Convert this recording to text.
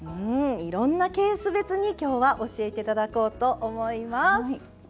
いろんなケース別に今日は教えていただこうと思います。